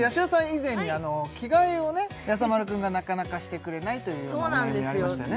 以前に着替えをねやさ丸くんがなかなかしてくれないというようなお悩みありましたよね